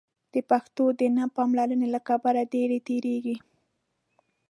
د پښتو د نه پاملرنې له کبله ډېره تېرېږي.